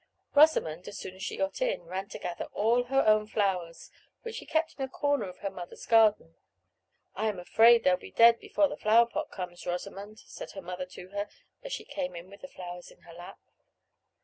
Rosamond, as soon as she got in, ran to gather all her own flowers, which she kept in a corner of her mother's garden. "I am afraid they'll be dead before the flower pot comes, Rosamond," said her mother to her, as she came in with the flowers in her lap.